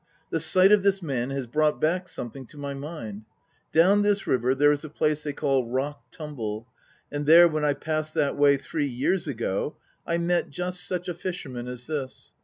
The sight of this man has brought back something to my mind. Down this river there is a place they call Rock tumble. And there, when I passed that way three years ago, I met just such a fisherman as this.